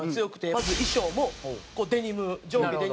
まず衣装もデニム上下デニム。